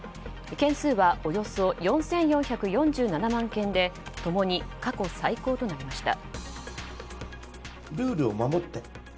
件数はおよそ４４４７万件で共に過去最高となりました。